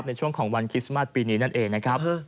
ในช่วงของวันคริสต์มาสปีนี้นั่นเองนะครับ